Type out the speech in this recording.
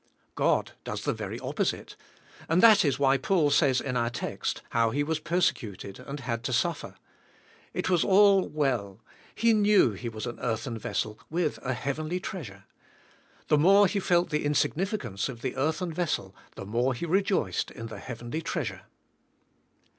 God does the very opposite, and that is why Paul says in our text, how he was persecuted and had to suffer. It was all well; he knew he was an earthen vessel with a heavenly treasure. The more he felt the insignificance of the earthen vessel, the more he rejoiced in the heavenly treasure.